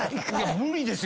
無理ですよ！